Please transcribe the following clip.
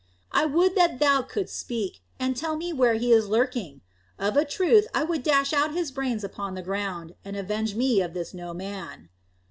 I would that thou couldst speak, and tell me where he is lurking. Of a truth I would dash out his brains upon the ground, and avenge me of this No Man."